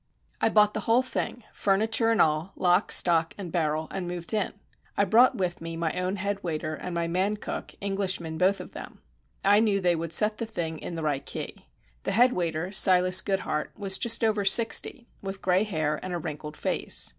I bought the whole thing, furniture and all, lock, stock and barrel, and moved in. I brought with me my own head waiter and my man cook, Englishmen both of them. I knew they would set the thing in the right key. The head waiter, Silas Goodheart, was just over sixty, with grey hair and a wrinkled face.